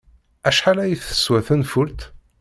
Acḥal ay teswa tenfult?